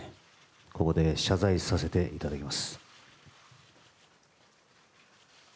ここで謝罪させていただきます。